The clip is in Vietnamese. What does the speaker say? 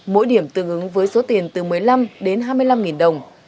mỗi điểm tương ứng với số tiền từ một mươi năm đến hai mươi năm đồng